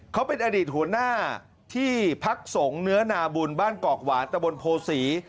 เขาเป็นอดีตหัวหน้าที่พักสงฆ์เนื้อนาบุญบ้านกอกหวานตะบนโพศี